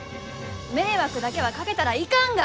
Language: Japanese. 迷惑だけはかけたらいかんが！